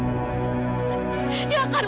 masya allah zaira